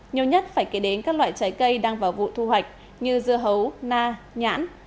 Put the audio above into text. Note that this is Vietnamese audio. nhiều nhất phải kể đến các loại trái cây đang vào vụ thu hoạch như dưa hấu na nhãn